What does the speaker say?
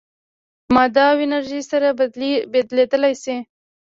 ماده او انرژي سره بدلېدلی شي.